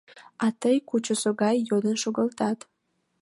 — А тый кӱчызӧ гай йодын шогылтат.